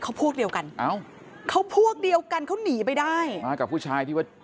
เขาพวกเดียวกันเอ้าเขาพวกเดียวกันเขาหนีไปได้มากับผู้ชายที่ว่า